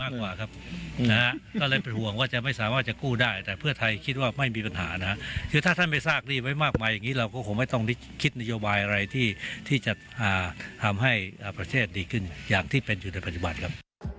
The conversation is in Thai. นะครับเป็นการปรัสนาทุกคนจะได้รับทราบกันเท่าเทียมกัน